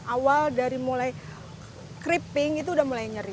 awal dari mulai cripping itu udah mulai nyeri